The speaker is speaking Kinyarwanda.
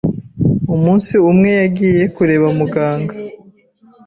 Umunsi umwe yagiye kureba muganga.